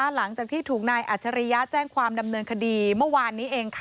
หลังจากที่ถูกนายอัจฉริยะแจ้งความดำเนินคดีเมื่อวานนี้เอง